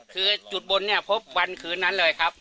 คือจุดบนเนี่ยพบวันคืนนั้นเลยครับ